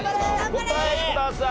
お答えください。